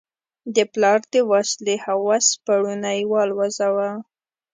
د پلار د وسلې هوس پوړونی والوزاوه.